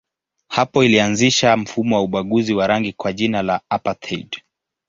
Hapo ilianzisha mfumo wa ubaguzi wa rangi kwa jina la apartheid.